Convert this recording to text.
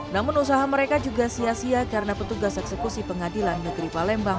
namun usaha mereka juga sia sia karena petugas eksekusi pengadilan negeri palembang